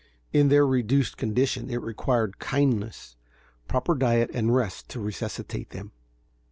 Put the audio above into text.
In their reduced condition, it required kindness, proper diet and rest to resuscitate them.